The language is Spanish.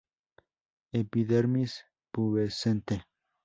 Epidermis pubescente.